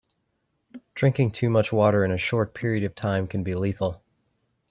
Drinking too much water in a short period of time can be lethal.